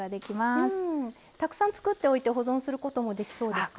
たくさん作っておいて保存することもできそうですか？